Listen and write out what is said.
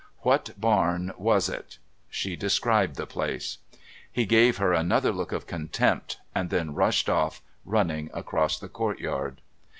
"What barn was it?" She described the place. He gave her another look of contempt and then rushed off, running across the courtyard.